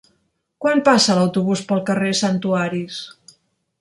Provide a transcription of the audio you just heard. Quan passa l'autobús pel carrer Santuaris?